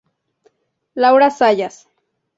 Laura Zayas.